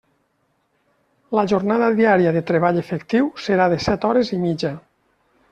La jornada diària de treball efectiu serà de set hores i mitja.